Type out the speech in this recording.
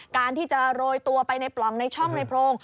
การที่จะโรยตัวไปในปล่องในช่องในโพรง